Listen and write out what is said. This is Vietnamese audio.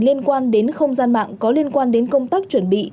liên quan đến không gian mạng có liên quan đến công tác chuẩn bị